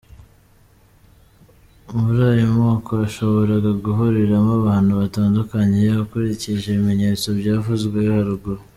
Muri aya moko hashoboraga guhuriramo abantu batandukanye, ukurikije ibimenyetso byavuzwe haruguru.